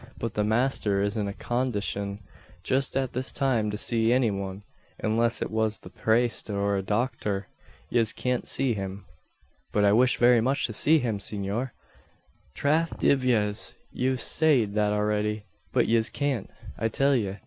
But the masther isn't in a condishun jist at this time to see any wan unless it was the praste or a docthur. Yez cyant see him." "But I wish very much to see him, senor." "Trath div yez. Ye've sayed that alriddy. But yez cyant, I till ye.